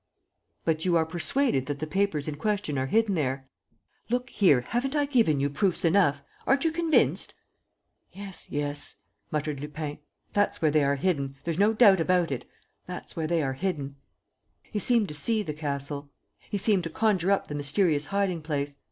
"But you are persuaded that the papers in question are hidden there?" "Look here, haven't I given you proofs enough? Aren't you convinced?" "Yes, yes," muttered Lupin, "that's where they are hidden ... there's no doubt about it ... that's where they are hidden. ..." He seemed to see the castle. He seemed to conjure up the mysterious hiding place.